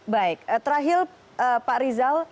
baik terakhir pak rizal